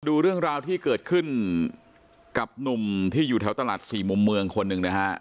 ดูเรื่องราวที่เกิดขึ้นกับหนุ่มที่อยู่แถวตลาดสี่มุมเมืองคนหนึ่งนะฮะ